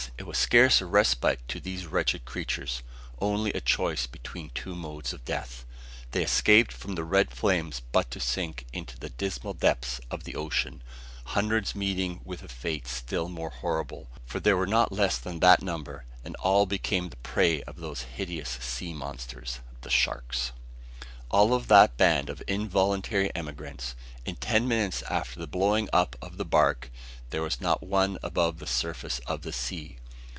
it was scarce a respite to these wretched creatures, only a choice between two modes of death. They escaped from the red flames but to sink into the dismal depths of the ocean, hundreds meeting with a fate still more horrible: for there were not less than that number, and all became the prey of those hideous sea monsters, the sharks. Of all that band of involuntary emigrants, in ten minutes after the blowing up of the bark, there was not one above the surface of the sea!